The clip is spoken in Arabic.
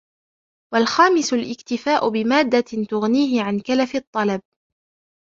وَالْخَامِسُ الِاكْتِفَاءُ بِمَادَّةٍ تُغْنِيهِ عَنْ كَلَفِ الطَّلَبِ